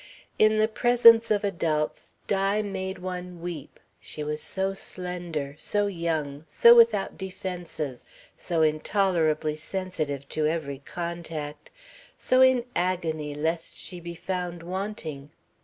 In the presence of adults Di made one weep, she was so slender, so young, so without defences, so intolerably sensitive to every contact, so in agony lest she be found wanting.